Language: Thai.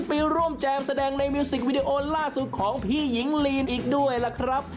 ไปร่วมแจมแสดงในมิวสิกวิดีโอล่าสุดของพี่หญิงลีนอีกด้วยล่ะครับ